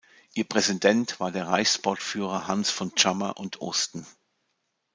Ihr Präsident war der Reichssportführer Hans von Tschammer und Osten.